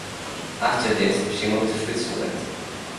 After this, she moved to Switzerland.